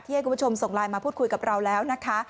ให้คุณผู้ชมส่งไลน์มาพูดคุยกับเราแล้วนะคะ